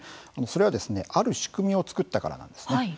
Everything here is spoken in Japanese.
それは、ある仕組みを作ったからなんですね。